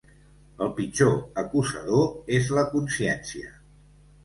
El pitjor acusador és la consciència.